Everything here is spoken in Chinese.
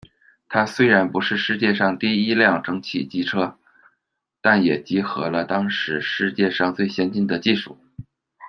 它虽然不是世界上第一辆蒸汽机车，但也集合了当时世界上最先进的技术。